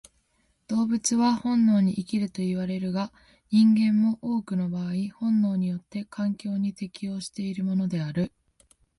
動物は本能に生きるといわれるが、人間も多くの場合本能によって環境に適応しているのである。